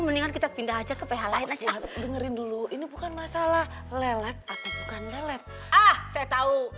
mendingan kita pindah aja ke ph lain aja dengerin dulu ini bukan masalah lelet atau bukan lelet ah saya tahu